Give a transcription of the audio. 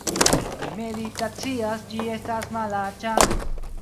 Mi meditacias, ĝi estas malaĉa